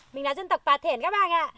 mình là dân tộc bà thiển các bạn ạ